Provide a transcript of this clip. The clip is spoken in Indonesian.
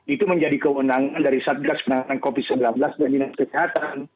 itu menjadi kewenangan dari satgas penanganan covid sembilan belas dan dinas kesehatan